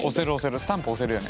スタンプ押せるよね。